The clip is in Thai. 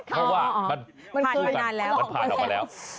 เพราะว่ามันผ่านออกมาแล้ว